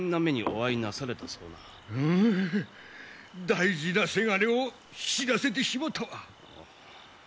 うむ大事なせがれを死なせてしもたわ。